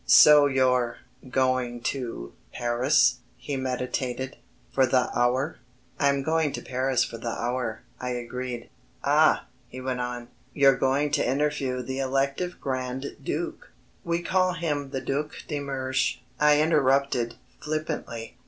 "So you're going to Paris," he meditated, "for the Hour." "I'm going to Paris for the Hour," I agreed. "Ah!" he went on, "you're going to interview the Elective Grand Duke...." "We call him the Duc de Mersch," I interrupted, flippantly.